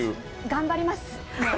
頑張ります。